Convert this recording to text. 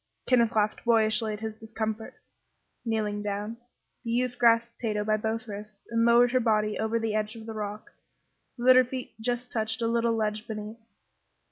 Kenneth laughed boyishly at his discomfiture. Kneeling down, the youth grasped Tato by both wrists and lowered her body over the edge of the rock so that her feet just touched a little ledge beneath.